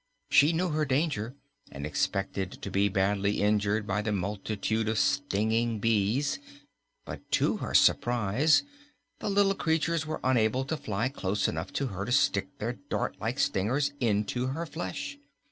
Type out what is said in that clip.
She knew her danger and expected to be badly injured by the multitude of stinging bees, but to her surprise the little creatures were unable to fly close enough to her to stick their dart like stingers into her flesh.